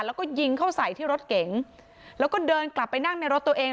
แล้วก็ยิงเข้าใส่ที่รถเก๋งแล้วก็เดินกลับไปนั่งในรถตัวเอง